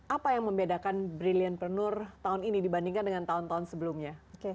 apa yang membedakan brilliantpreneur tahun ini dibandingkan dengan tahun tahun sebelumnya